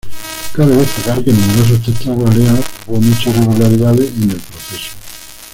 Cabe destacar que numerosos testigos alegan que hubo muchas irregularidades en el proceso.